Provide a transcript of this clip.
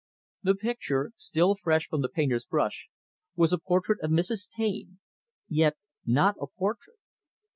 The picture, still fresh from the painter's brush, was a portrait of Mrs. Taine yet not a portrait.